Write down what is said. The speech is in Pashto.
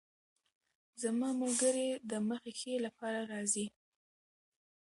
زما ملګرې د مخې ښې لپاره راځي.